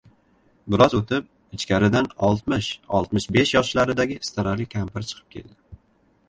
Biroz oʻtib, ichkaridan oltmish-oltmish besh yoshlardagi istarali kampir chiqib keldi.